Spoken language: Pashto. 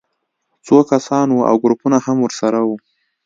څو کسان وو او ګروپونه هم ورسره وو